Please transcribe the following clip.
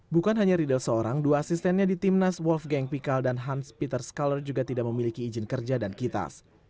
bukan hanya riedel seorang dua asistennya di tim nasional wolfgang pikel dan hans pieterskaller juga tidak memiliki izin kerja dan kitas